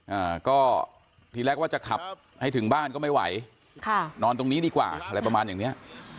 อ่าก็ทีแรกว่าจะขับให้ถึงบ้านก็ไม่ไหวค่ะนอนตรงนี้ดีกว่าอะไรประมาณอย่างเนี้ย